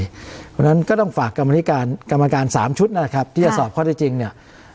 เพราะฉะนั้นก็ต้องฝากกรรมนิการกรรมการ๓ชุดนะครับที่จะสอบข้อได้จริงเนี่ย